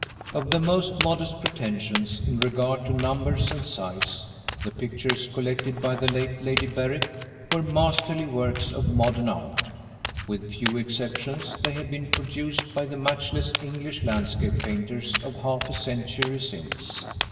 Of the most modest pretensions, in regard to numbers and size, the pictures collected by the late Lady Berrick were masterly works of modern art. With few exceptions, they had been produced by the matchless English landscape painters of half a century since.